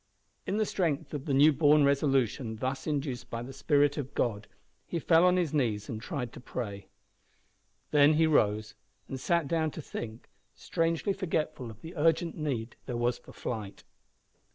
In the strength of the new born resolution thus induced by the Spirit of God, he fell on his knees and tried to pray. Then he rose and sat down to think, strangely forgetful of the urgent need there was for flight.